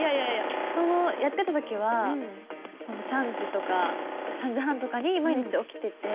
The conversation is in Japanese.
やってた時はホント３時とか３時半とかに毎日起きてて。